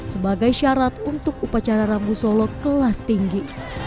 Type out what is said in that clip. sebagai syarat untuk upacara rambu solo kelas tinggi